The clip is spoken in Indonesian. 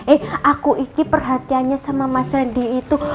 eh aku ikip perhatiannya sama mas randy itu